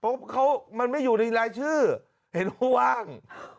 เพราะเขามันไม่อยู่ในรายชื่อเห็นว่าว่าง